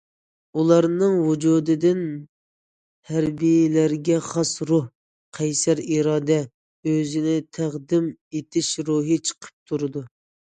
ئۇلارنىڭ ۋۇجۇدىدىن ھەربىيلەرگە خاس روھ، قەيسەر ئىرادە، ئۆزىنى تەقدىم ئېتىش روھى چىقىپ تۇرىدۇ.